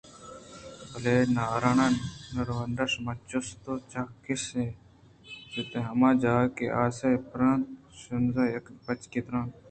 بلے ناران ءُ نروڈان شُما چِسِک ءُ چاسک ءَ ئے؟ سُچیت ہما جاہ کہ آس ئے پِر اِنت شِنز یک بچکّے تَرات